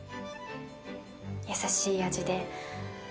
優しい味で。